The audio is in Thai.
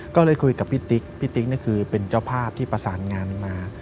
ก็เลยคุยกับพี่ติ๊กพี่ติ๊กนี่คือเป็นเจ้าภาพที่ประสานงานมา